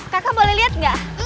kaka boleh liat nggak